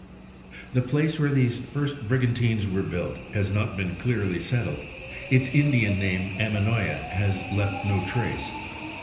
The place where these first brigantines were built, has not been clearly settled, its Indian name Aminoya has left no trace.